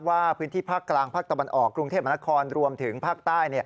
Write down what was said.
พื้นที่ภาคกลางภาคตะวันออกกรุงเทพมนาคมรวมถึงภาคใต้